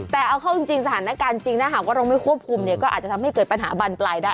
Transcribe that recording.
แต่เอาเข้าจริงสถานการณ์จริงถ้าหากว่าเราไม่ควบคุมเนี่ยก็อาจจะทำให้เกิดปัญหาบานปลายได้